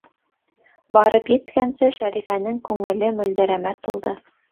Барып еткәнсе Шәрифәнең күңеле мөлдөрәмә тулды.